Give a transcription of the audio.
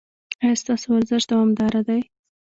ایا ستاسو ورزش دوامدار دی؟